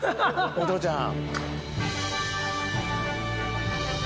お父ちゃん。